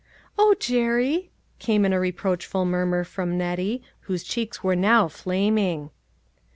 "O, Jerry!" came in a reproachful murmur from Nettie, whose cheeks were now flaming.